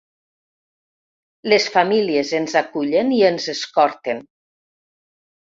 Les famílies ens acullen i ens escorten.